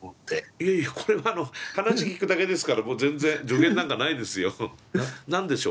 いやいやこれは話聞くだけですから全然助言なんかないですよ。